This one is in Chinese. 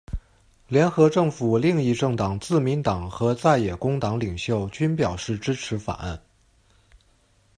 联合政府另一政党自民党和在野工党领袖均表示支持法案。